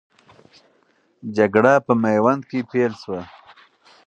جګړه په میوند کې پیل سوه.